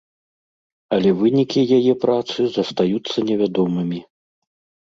Але вынікі яе працы застаюцца невядомымі.